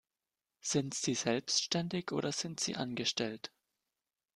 Sind Sie selbstständig oder sind Sie angestellt?